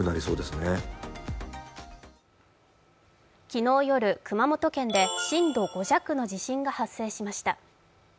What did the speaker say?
昨日夜、熊本県で震度５弱の地震が発生しました。